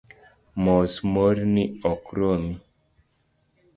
Mos moorni ok romi